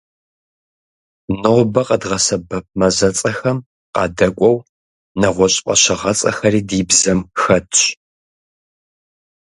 Нобэ къэдгъэсэбэп мазэцӀэхэм къадэкӏуэу, нэгъуэщӀ фӀэщыгъэцӀэхэри ди бзэм хэтщ.